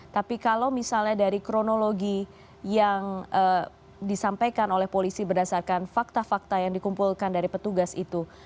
tapi kalau misalnya dari kronologi yang disampaikan oleh polisi berdasarkan fakta fakta yang dikumpulkan dari petugas itu